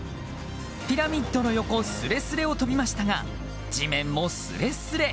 ピラミッドの横すれすれを飛びましたが地面もすれすれ！